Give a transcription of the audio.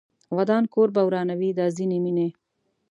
ودان کور به ورانوي دا ځینې مینې